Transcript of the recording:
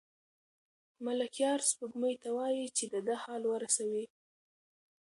ملکیار سپوږمۍ ته وايي چې د ده حال ورسوي.